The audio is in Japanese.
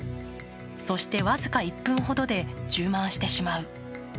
そして、僅か１分ほどで充満してしまう。